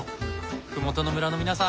麓の村の皆さん